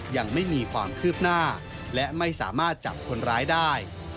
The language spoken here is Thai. ยังไม่มีความคืบหน้าและไม่สามารถจับคนร้ายได้